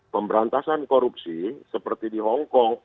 pemberantasan korupsi seperti di hongkong